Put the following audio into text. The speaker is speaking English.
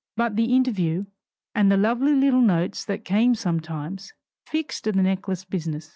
But the interview, and the lovely little notes that came sometimes, "fixed" the necklace business!